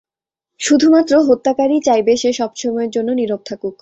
শুধুমাত্র হত্যাকারীই চাইবে সে সবসময়ের জন্য নীরব থাকুক।